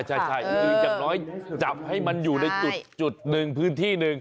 ใช่คืออย่างน้อยจับให้มันอยู่ในจุดหนึ่งพื้นที่หนึ่ง